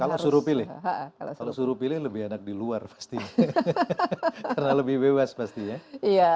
kalau disuruh pilih kalau disuruh pilih lebih enak di luar karena lebih bebas pastinya